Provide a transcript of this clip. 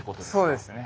そうですね。